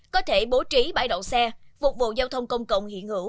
có thể bố trí bãi đậu xe phục vụ giao thông công cộng hiện hữu